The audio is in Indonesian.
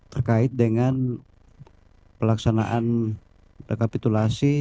terkait dengan pelaksanaan rekapitulasi